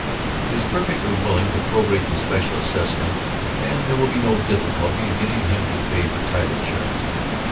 He is perfectly willing to pro rate the special assessment and there will be no difficulty in getting him to pay for title insurance.